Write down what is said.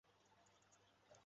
এর থেকে বেশি করা যাবে না।